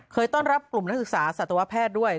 ต้อนรับกลุ่มนักศึกษาสัตวแพทย์ด้วย